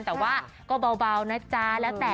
แต่ว่าก็เบานะจ๊ะ